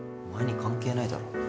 お前に関係ないだろ。